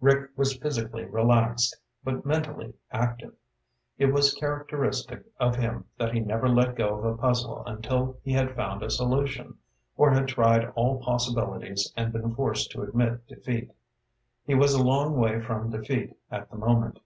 Rick was physically relaxed, but mentally active. It was characteristic of him that he never let go of a puzzle until he had found a solution, or had tried all possibilities and been forced to admit defeat. He was a long way from defeat at the moment.